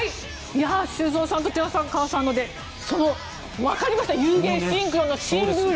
修造さんと寺川さんのでその分かりました有言シンクロの新ルールが。